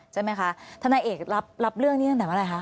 ใช่ไหมคะธนายเอกรับเรื่องนี้ตั้งแต่เมื่อไหรคะ